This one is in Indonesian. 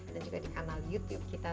dan juga di kanal youtube kita